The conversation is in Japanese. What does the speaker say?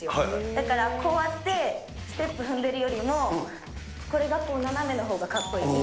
だからこうやって、ステップ踏んでるよりも、これがこう斜めのほうがかっこいい。